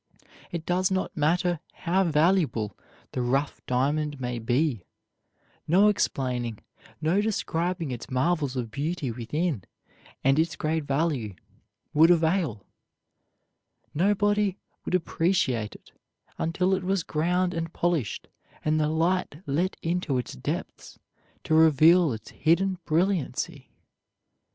It does not matter how valuable the rough diamond may be, no explaining, no describing its marvels of beauty within, and its great value, would avail; nobody would appreciate it until it was ground and polished and the light let into its depths to reveal its hidden brilliancy.